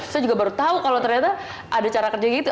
saya juga baru tahu kalau ternyata ada cara kerja gitu